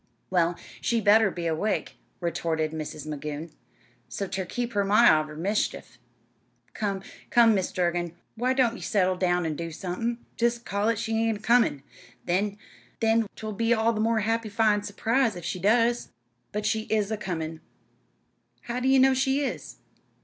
"Well, she better be awake," retorted Mrs. Magoon, "so's ter keep her ma out o' mischief. Come, come, Mis' Durgin, why don't ye settle down an' do somethin'? Jest call it she ain't a comin', then 'twill be all the more happyfyin' surprise if she does." "But she is a comin'." "How do ye know she is?"